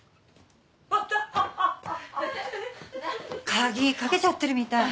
鍵掛けちゃってるみたい